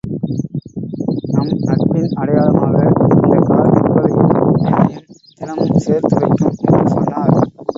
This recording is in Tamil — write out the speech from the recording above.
நம் நட்பின் அடையாளமாக இந்தக் கார் உங்களையும் என்னையும் தினமும் சேர்த்து வைக்கும், என்று சொன்னார்.